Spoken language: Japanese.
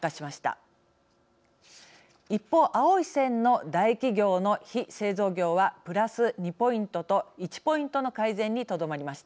一方青い線の大企業の非製造業はプラス２ポイントと１ポイントの改善にとどまりました。